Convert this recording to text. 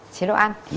chế độ ăn